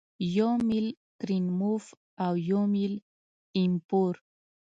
یو میل کرینموف او یو میل ایم پور